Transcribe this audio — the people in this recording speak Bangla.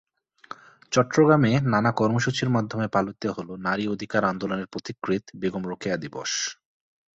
চট্টগ্রামে নানা কর্মসূচির মাধ্যমে পালিত হলো নারী অধিকার আন্দোলনের পথিকৃৎ বেগম রোকেয়া দিবস।